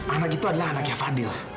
anak itu adalah anaknya fadil